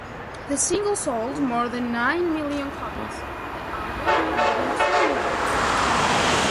The single sold more than nine million copies; the album, more than two million.